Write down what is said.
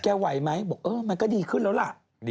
แกไหวเมยมันก็ดีขึ้นแล้วล่ะ